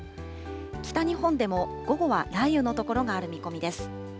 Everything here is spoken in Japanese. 北日本でも午後は雷雨の所がある見込みです。